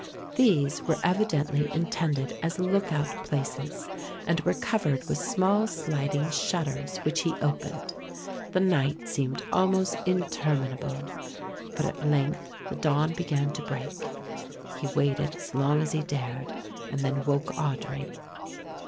These were evidently intended as lookout places and were covered with small sliding shutters which he opened. The night seemed almost interminable, but at length the dawn began to break. He waited as long as he dared and then woke Audry.